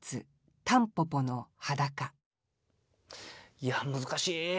いや難しい。